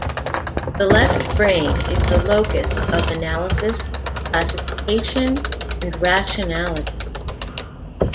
The left brain is the locus of analysis, classification, and rationality.